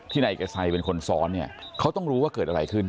นายเอกชัยเป็นคนซ้อนเนี่ยเขาต้องรู้ว่าเกิดอะไรขึ้น